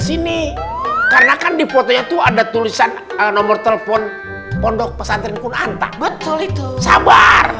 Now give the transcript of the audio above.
sini karena kan di fotonya tuh ada tulisan nomor telepon pondok pesantren kunanta betul itu sabar